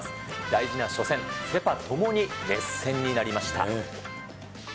大事な初戦、セ・パともに熱戦になりました。